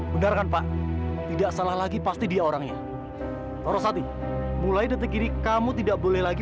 beneran pak tidak salah lagi pasti dia orangnya orang sati mulai detik ini kamu tidak boleh lagi